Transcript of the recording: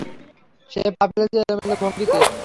সে পা ফেলছে এলোমেলো ভঙ্গিতে।